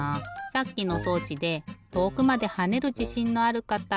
さっきの装置で遠くまで跳ねるじしんのあるかた。